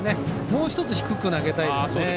もう一つ低く投げたいですね。